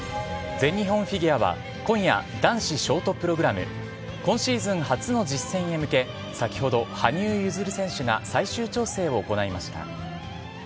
全日本フィギュアは今夜、男子ショートプログラム今シーズン初の実戦へ向け先ほど、羽生結弦選手が最終調整を行いました。